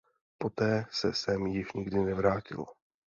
Poté se sem již nikdy nevrátil.